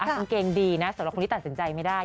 กางเกงดีนะสำหรับคนที่ตัดสินใจไม่ได้